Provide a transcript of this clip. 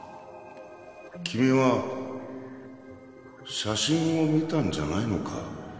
君は写真を見たんじゃないのか？